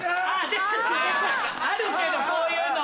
あるけどそういうの！